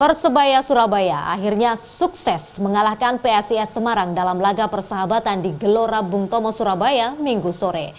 persebaya surabaya akhirnya sukses mengalahkan psis semarang dalam laga persahabatan di gelora bung tomo surabaya minggu sore